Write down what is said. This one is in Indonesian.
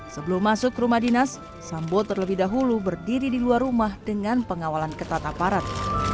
sebelum masuk ke rumah dinas sambo terlebih dahulu berdiri di luar rumah dengan pengawalan ketat aparat